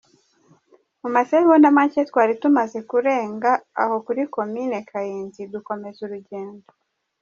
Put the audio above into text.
Mu masegonda make twari tumaze kurenga aho kuri Komine Kayenzi dukomeza urugendo.